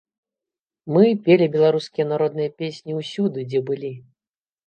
Мы пелі беларускія народныя песні ўсюды, дзе былі.